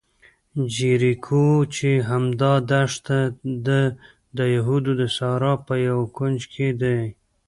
جیریکو چې همدا دښته ده، د یهودو د صحرا په یوه کونج کې دی.